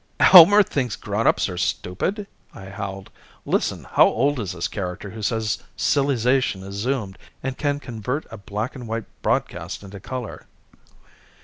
"Elmer thinks grownups are stupid?" I howled. "Listen, how old is this character who says silly zation is doomed and can convert a black and white broadcast into color?"